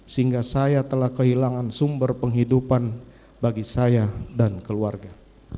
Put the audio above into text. sehingga saya telah kehilangan sumber penghidupan bagi saya dan keluarga